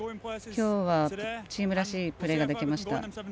今日はチームらしいプレーができました。